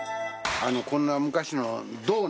「こんな昔の」